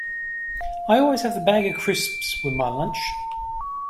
I always have a bag of crisps with my lunch